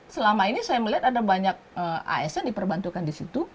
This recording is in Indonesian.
selama ini saya melihat ada banyak as nya diperbantukan di sini